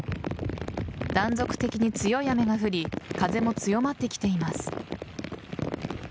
断続的に強い雨が降り風も強まってきています。